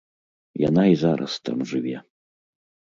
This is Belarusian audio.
Яна і зараз там жыве.